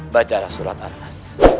bacalah surat al as